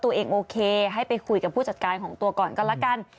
โอเคให้ไปคุยกับผู้จัดการของตัวก่อนก็แล้วกัน